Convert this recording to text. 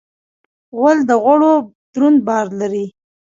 غول د غوړو دروند بار لري.